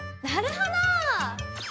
なるほど！